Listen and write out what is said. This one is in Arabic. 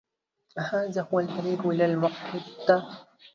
أهذا هو الطريق إلى المحطة؟